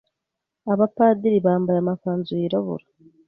Abapadiri bambaye amakanzu yirabura